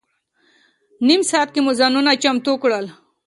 نیم ساعت کې مو ځانونه چمتو کړل.